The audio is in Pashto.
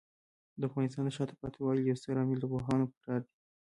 د افغانستان د شاته پاتې والي یو ستر عامل د پوهانو فرار دی.